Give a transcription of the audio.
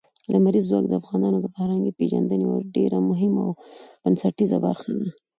لمریز ځواک د افغانانو د فرهنګي پیژندنې یوه ډېره مهمه او بنسټیزه برخه ده.